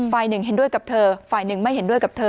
ฝ่ายหนึ่งเห็นด้วยกับเธอฝ่ายหนึ่งไม่เห็นด้วยกับเธอ